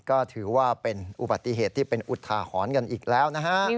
ก็ถือว่าเป็นอุบัติเหตุที่เป็นอุทาหรณ์กันอีกแล้วนะฮะ